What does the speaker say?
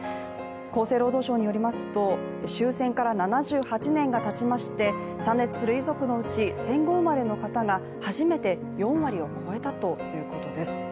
厚生労働省によりますと、終戦から７８年がたちまして参列する遺族のうち戦後生まれの方が初めて４割を超えたということです。